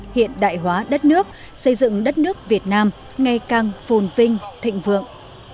hiện đại hóa đất nước xây dựng đất nước việt nam ngày càng phồn vinh thịnh vượng